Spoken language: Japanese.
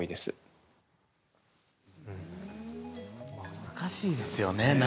難しいですよね。